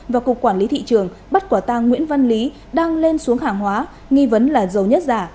và cục quản lý thị trường bắt quả tang nguyễn văn lý đang lên xuống hàng hóa nghi vấn là dầu nhất giả